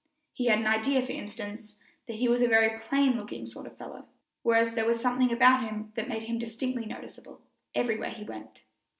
He had an idea, for instance, that he was a very plain looking sort of a fellow, whereas there was something about him that made him distinctly noticeable everywhere he went.